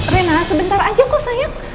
rena sebentar aja kok sayap